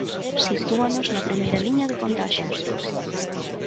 Sitúanos na primeira liña de contaxios.